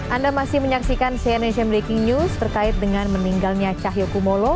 anda masih menyaksikan cnn indonesia breaking news terkait dengan meninggalnya cahyokumolo